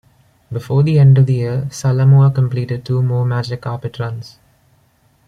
Before the end of the year, "Salamaua" completed two more "Magic Carpet" runs.